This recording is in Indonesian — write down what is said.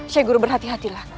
syekh guru berhati hatilah